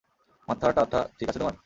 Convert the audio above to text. মাথাটাথা ঠিক আছে তোমার?